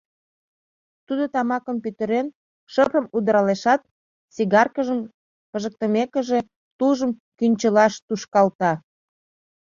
Тудо, тамакым пӱтырен, шырпым удыралешат, сигаркыжым пижыктымекыже, тулжым кӱнчылаш тушкалта.